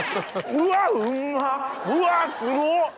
うわすごっ！